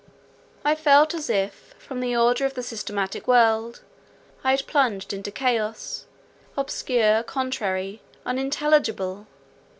I felt as if, from the order of the systematic world, I had plunged into chaos, obscure, contrary, unintelligible.